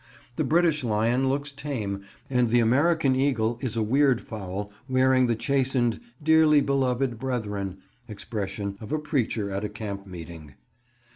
The British Lion looks tame and the American Eagle is a weird fowl wearing the chastened "dearly beloved brethren" expression of a preacher at a camp meeting.